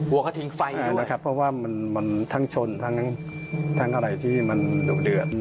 วัวกระทิงไฟด้วยนะครับเพราะว่ามันมันทั้งชนทั้งทั้งอะไรที่มันดุเดือด